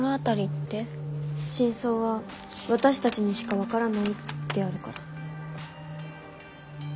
真相は私たちにしか分からないってあるから。